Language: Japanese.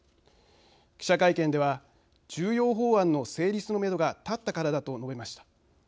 記者会見では「重要法案の成立のめどがたったからだ」と述べました。